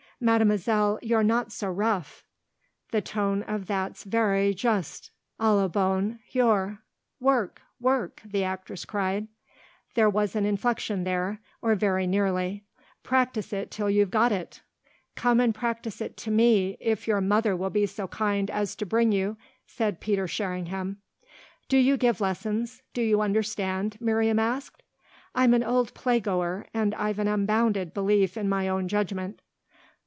"Mademoiselle, you're not so rough; the tone of that's very juste. A la bonne heure; work work!" the actress cried. "There was an inflexion there or very nearly. Practise it till you've got it." "Come and practise it to me, if your mother will be so kind as to bring you," said Peter Sherringham. "Do you give lessons do you understand?" Miriam asked. "I'm an old play goer and I've an unbounded belief in my own judgement."